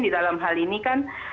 di dalam hal ini kan